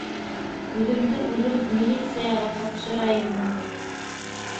Үҙемде үҙем милицияға тапшырайыммы?